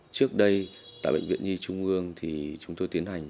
trước đây tại bệnh viện nhi trung ương thì chúng tôi tiến hành